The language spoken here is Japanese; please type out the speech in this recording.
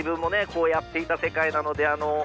こうやっていた世界なのであの。